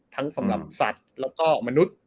สำหรับสัตว์แล้วก็มนุษย์